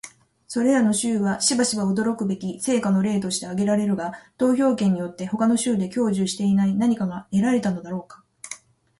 それらの州はしばしば驚くべき成果の例として挙げられるが、投票権によって他の州で享受していない何かが得られたのだろうか？